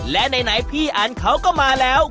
และไหนพี่อันเขาก็มาแล้ว